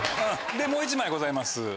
もう１枚ございます。